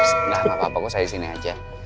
enggak apa apa kok saya disini aja